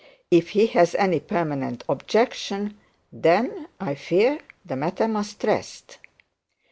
If he has any personal objection, then, I fear, the matter must rest.'